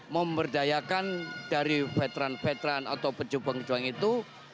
memberdayakan dari veteran vetran atau pejabat kejuangan itu